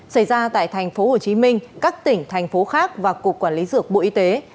xảy ra tại tp hcm các tỉnh thành phố khác và cục quản lý dược bộ y tế